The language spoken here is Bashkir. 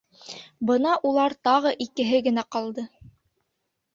Бына улар тағы икеһе генә ҡалды.